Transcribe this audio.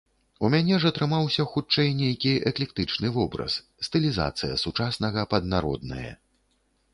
У мяне ж атрымаўся хутчэй нейкі эклектычны вобраз, стылізацыя сучаснага пад народнае.